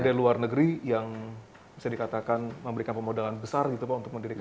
dan dari luar negeri yang bisa dikatakan memberikan pemodalan besar gitu pak